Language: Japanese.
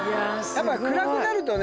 やっぱり暗くなるとね